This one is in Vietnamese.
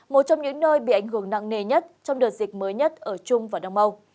một trong những nơi bị ảnh hưởng nặng nề nhất trong đợt dịch mới nhất ở trung và đông âu